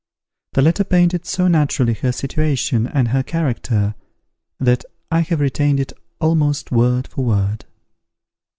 The letter painted so naturally her situation and her character, that I have retained it almost word for word.